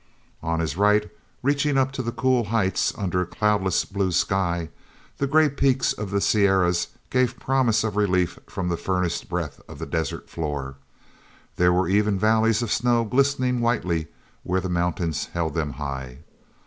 n his right, reaching up to the cool heights under a cloudless blue sky, the gray peaks of the Sierras gave promise of relief from the furnace breath of the desert floor. There were even valleys of snow glistening whitely where the mountains held them high.